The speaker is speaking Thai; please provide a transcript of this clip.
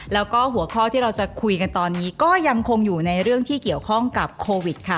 แล้วก็หัวข้อที่เราจะคุยกันตอนนี้ก็ยังคงอยู่ในเรื่องที่เกี่ยวข้องกับโควิดค่ะ